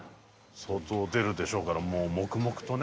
相当出るでしょうからもう黙々とね。